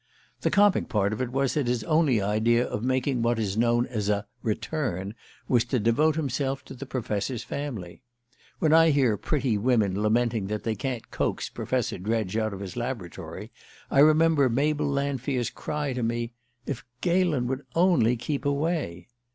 The comic part of it was that his only idea of making what is known as "a return" was to devote himself to the Professor's family. When I hear pretty women lamenting that they can't coax Professor Dredge out of his laboratory I remember Mabel Lanfear's cry to me: "If Galen would only keep away!"